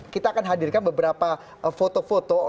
kita akan hadirkan beberapa foto foto